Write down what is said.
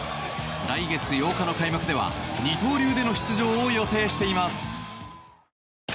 来月８日の開幕では二刀流での出場を予定しています。